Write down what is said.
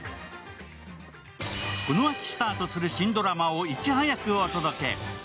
この秋スタートする新ドラマをいち早くお届け。